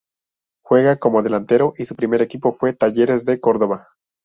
Juega como delantero y su primer equipo fue Talleres de Córdoba.